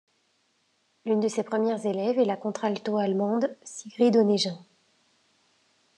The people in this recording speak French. L'une de ses premières élèves est la contralto allemande, Sigrid Onégin.